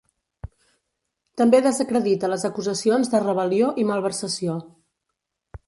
També desacredita les acusacions de rebel·lió i malversació.